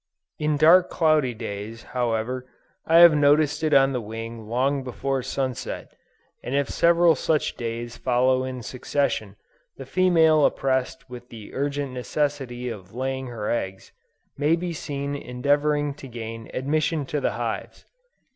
In dark cloudy days, however, I have noticed it on the wing long before sunset, and if several such days follow in succession, the female oppressed with the urgent necessity of laying her eggs, may be seen endeavoring to gain admission to the hives.